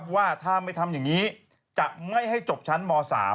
ว่าถ้าไม่ทำอย่างนี้จะไม่ให้จบชั้นม๓